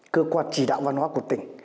cơ quan chỉ đạo văn hóa của tỉnh